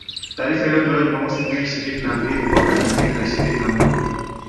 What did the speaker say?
Taarifa ilitolewa Jumamosi Mei ishirini na mbili mwaka elfu mbili na ishirini na moja